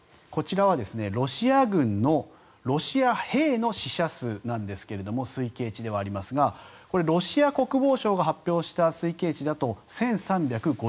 こちらはロシア軍のロシア兵の死者数なんですが推計値ではありますがこれはロシア国防省が発表した推計値だと１３５１人。